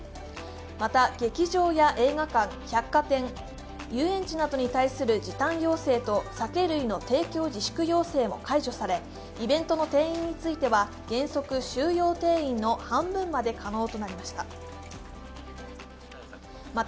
また、劇場や映画館、百貨店、遊園地などに対する時短要請と酒類の提供自粛要請も解除されイベントの定員については原則、収容定員の半分まで可能となりました。